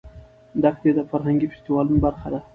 دښتې د فرهنګي فستیوالونو برخه ده.